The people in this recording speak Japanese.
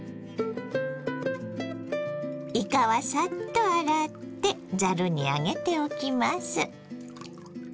いかはサッと洗ってざるに上げておきます。